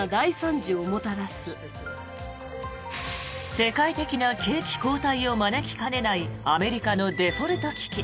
世界的な景気後退を招きかねないアメリカのデフォルト危機。